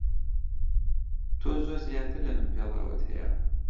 تۆ زۆر زیاتر لە من پێڵاوت ھەیە.